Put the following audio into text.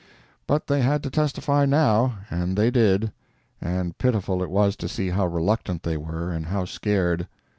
But they had to testify now, and they did—and pitiful it was to see how reluctant they were, and how scared.